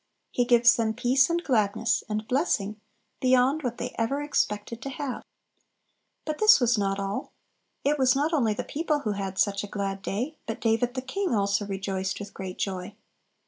He gives them peace, and gladness, and blessing, beyond what they ever expected to have. But this was not all; it was not only the people who had such a glad day, but "David the king also rejoiced with great joy."